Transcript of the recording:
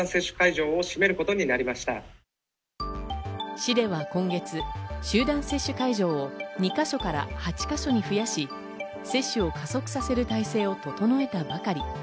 市では今月、集団接種会場を２か所から８か所に増やし、接種を加速させる体制を整えたばかり。